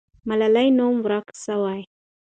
ملالۍ نوم ورک سو.